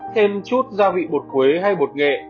thêm chút gia vị bột quế hay bột nghệ